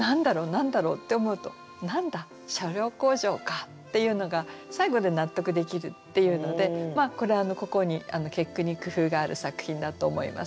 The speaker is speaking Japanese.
何だろう？って思うと何だ「車両工場」かっていうのが最後で納得できるっていうのでこれここに結句に工夫がある作品だと思います。